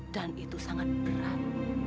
dan itu sangat berat